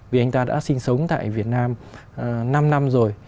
vì anh ta đã sinh sống tại việt nam năm năm rồi